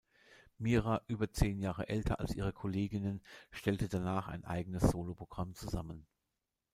Mira, über zehn Jahre älter als ihre Kolleginnen, stellte danach ein eigenes Soloprogramm zusammen.